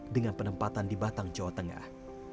dengan penempatan di batang jawa tengah